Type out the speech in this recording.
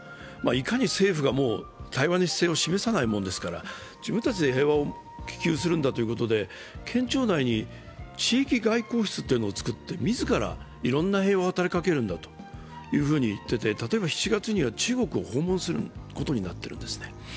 いかに政府が対話の姿勢を示さないものですから自分たちで平和を希求するんだということで、県庁内に地域外交室というのをつくって自らいろんな平和を働きかけるんだと言っていて、例えば７月には中国を訪問することになっているんですね。